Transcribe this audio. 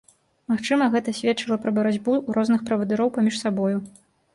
Магчыма, гэта сведчыла пра барацьбу розных правадыроў паміж сабою.